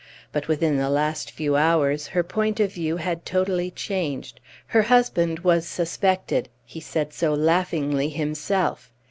But within the last few hours her point of view had totally changed. Her husband was suspected. He said so laughingly himself.